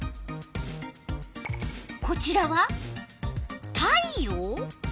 こちらは「太陽」？